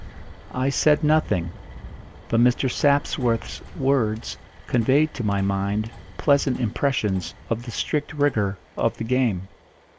I said nothing; but Mr. Sapsworth's words conveyed to my mind pleasant impressions of the strict rigour of the game.